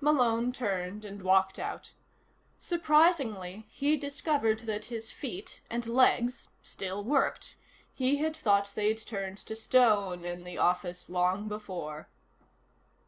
Malone turned and walked out. Surprisingly, he discovered that his feet and legs still worked. He had thought they'd turned to stone in the office long before.